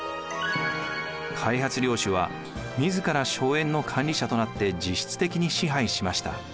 開発領主は自ら荘園の管理者となって実質的に支配しました。